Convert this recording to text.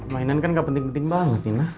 mainan kan gak penting penting banget ya